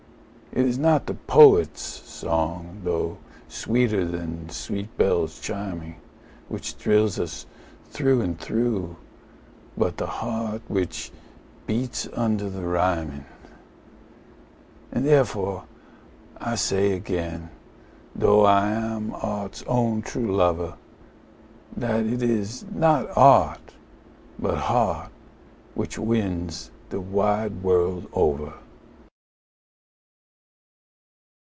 And it is not the poet's song, though sweeter than sweet bells chiming, Which thrills us through and through, but the heart which beats under the rhyming. And therefore I say again, though I am art's own true lover, That it is not art, but heart, which wins the wide world over.